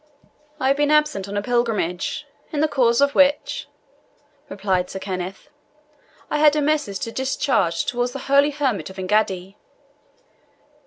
"I have been absent on a pilgrimage, in the course of which," replied Sir Kenneth "I had a message to discharge towards the holy hermit of Engaddi."